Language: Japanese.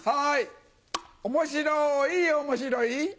面白い面白い。